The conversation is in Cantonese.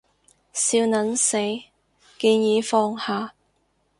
笑撚死，建議放下